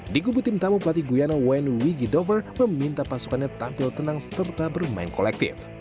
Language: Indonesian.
di kubu tim tamu pelatih guyana wen wigidover meminta pasukannya tampil tenang serta bermain kolektif